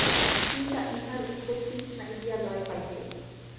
চিন্তা ইহার উৎপত্তি-স্থানে গিয়া লয় পাইবে।